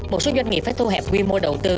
một số doanh nghiệp phải thu hẹp quy mô đầu tư